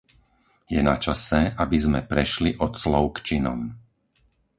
Je načase, aby sme prešli od slov k činom.